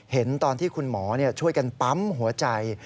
เห็นตอนที่คุณหมอช่วยกันปั๊มหัวใจ